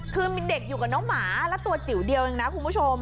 คือมีเด็กอยู่กับน้องหมาแล้วตัวจิ๋วเดียวเองนะคุณผู้ชม